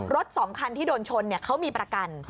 ๒คันที่โดนชนเขามีประกัน